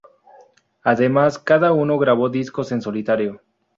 Además, cada uno grabó discos en solitario.